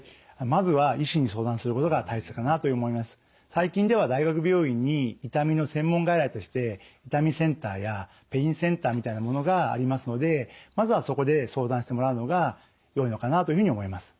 最近では大学病院に痛みの専門外来として痛みセンターやペインセンターみたいなものがありますのでまずはそこで相談してもらうのがよいのかなというふうに思います。